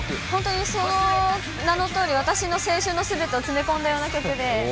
本当にその名のとおり、私の青春のすべてを詰め込んだような曲で。